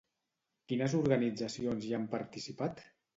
Quines organitzacions hi han participat?